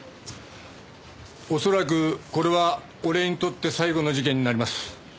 恐らくこれは俺にとって最後の事件になります。